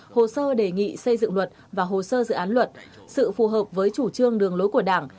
hồ sơ đề nghị xây dựng luật và hồ sơ dự án luật sự phù hợp với chủ trương đường lối của đảng